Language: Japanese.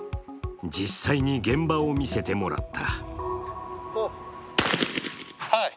実際に現場を見せてもらった。